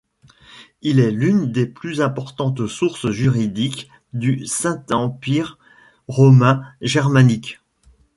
Il est l'une des plus importantes sources juridiques du Saint-Empire romain germanique.